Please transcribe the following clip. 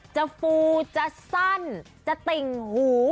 ฟูจะสั้นจะติ่งหู